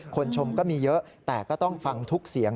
ชมก็มีเยอะแต่ก็ต้องฟังทุกเสียง